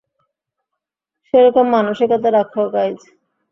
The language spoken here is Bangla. সেরকম মানসিকতা রাখো, গাইজ।